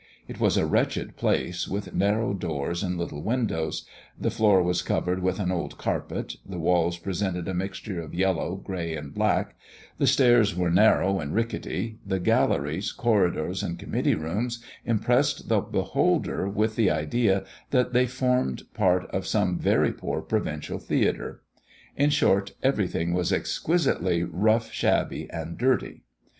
It was a wretched place, with narrow doors, and little windows; the floor was covered with an old carpet; the walls presented a mixture of yellow, grey and black; the stairs were narrow and ricketty; the galleries, corridors, and committee rooms, impressed the beholder with the idea that they formed part of some very poor provincial theatre. In short, everything was exquisitely rough shabby, and dirty.